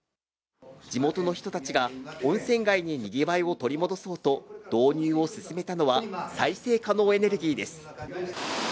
地元の人たちが温泉街ににぎわいを取り戻そうと導入を進めたのは、再生可能エネルギーです。